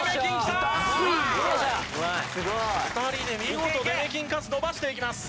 ２人で見事出目金の数伸ばしていきます。